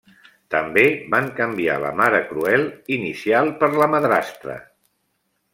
També van canviar la mare cruel inicial per la madrastra.